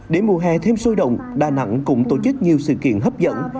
để mùa hè thêm sôi động đà nẵng cũng tổ chức nhiều sự kiện hấp dẫn